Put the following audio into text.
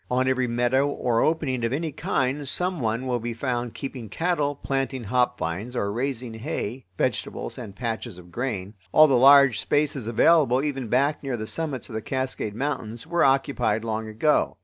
On every meadow or opening of any kind some one will be found keeping cattle, planting hop vines, or raising hay, vegetables, and patches of grain. All the large spaces available, even back near the summits of the Cascade Mountains, were occupied long ago.